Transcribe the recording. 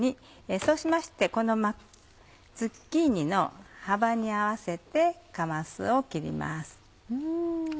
そうしましてこのズッキーニの幅に合わせてかますを切ります。